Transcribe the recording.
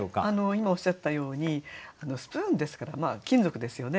今おっしゃったようにスプーンですから金属ですよね。